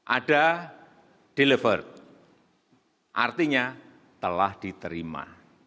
ada delivert artinya telah diterima